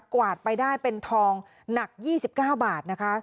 วาดไปได้เป็นทองหนัก๒๙บาทนะคะ